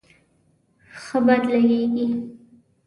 ښه باد لږیږی